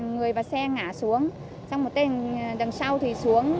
người và xe ngã xuống xong một tên đằng sau thì xuống